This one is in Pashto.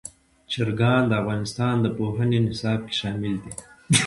چرګان د افغانستان د پوهنې نصاب کې شامل دي.